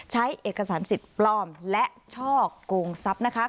ใช้เอกสารสิทธิ์ปลอมและช่อกงทรัพย์นะคะ